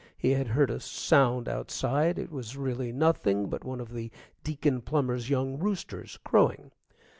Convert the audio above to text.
He had heard a sound outside. It was really nothing but one of Deacon Plummer's young roosters crowing.